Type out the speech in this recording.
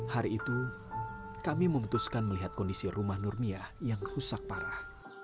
hari itu kami memutuskan melihat kondisi rumah nurmiah yang rusak parah